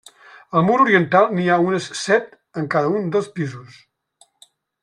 Al mur oriental n'hi ha unes set en cada un dels pisos.